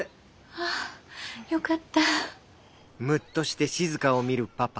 ああよかった。